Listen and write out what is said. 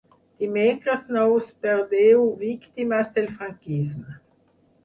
Dimecres no us perdeu Víctimes del franquisme.